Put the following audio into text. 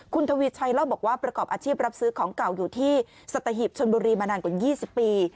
คุณทวีชัยเล่าบอกว่าประกอบอาชีพรับซื้อของเก่าอยู่ที่สัตหิบชนบุรีมานานกว่า๒๐ปี